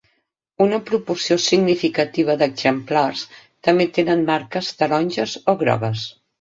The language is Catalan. Una proporció significativa d'exemplars també tenen marques taronges o grogues.